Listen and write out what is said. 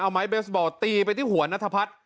เอาไม้เบสบอลตีไปที่หัวนัทพัฒน์